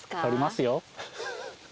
撮りますよ。